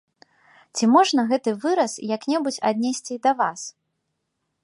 Ці можна гэты выраз як-небудзь аднесці і да вас?